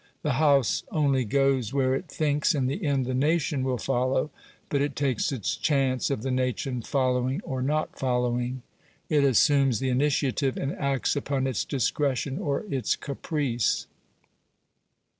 The House only goes where it thinks in the end the nation will follow; but it takes its chance of the nation following or not following; it assumes the initiative, and acts upon its discretion or its caprice.